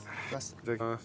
いただきます！